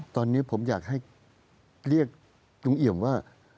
ตอนนี้ผมอยากให้เรียกลุงเอี่ยมว่า